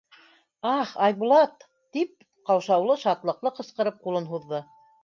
— Ах, Айбулат... — тип, ҡаушаулы, шатлыҡлы ҡысҡырып, ҡулын һуҙҙы.